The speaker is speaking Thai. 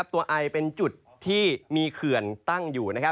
ตัวไอเป็นจุดที่มีเขื่อนตั้งอยู่